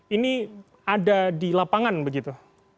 ini ada di lapangan begitu